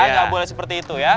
gak boleh seperti itu ya